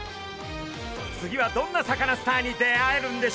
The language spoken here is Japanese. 次はどんなサカナスターに出会えるんでしょうか？